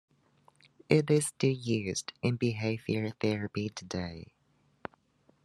It is still used in behavior therapy today.